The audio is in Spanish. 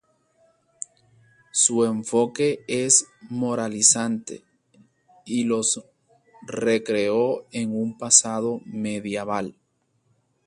Su enfoque es moralizante y los recreó en un pasado medieval.